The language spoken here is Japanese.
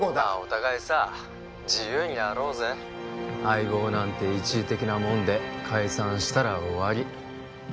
☎まあお互いさ自由にやろうぜ相棒なんて一時的なもんで解散したら終わり